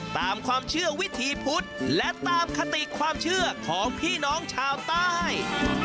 ตามความเชื่อวิถีพุทธและตามคติความเชื่อของพี่น้องชาวใต้